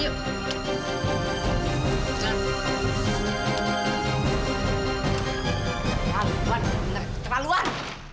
terlaluan bener terlaluan